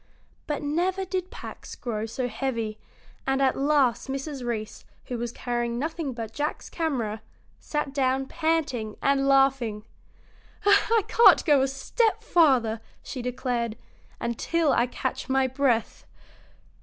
But never did packs grow so heavy, and at last Mrs. Reece, who was carrying nothing but Jack's camera, sat down panting and laughing. "I can't go a step farther," she declared, "until I catch my breath."